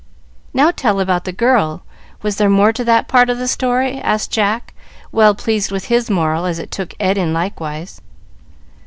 "Now tell about the girl. Was there more to that part of the story?" asked Jack, well pleased with his moral, as it took Ed in likewise.